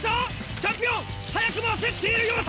チャンピオン早くも焦っている様子！